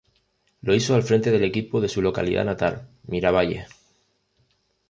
Lo hizo al frente del equipo de su localidad natal, Miravalles.